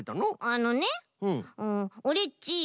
あのねうんオレっち